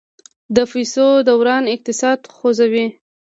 د پیسو دوران اقتصاد خوځوي.